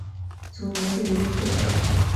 卒年七十一岁。